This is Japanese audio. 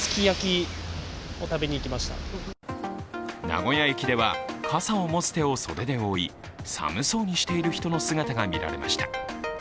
名古屋駅では、傘を持つ手を袖で覆い、寒そうにしている人の姿が見られました。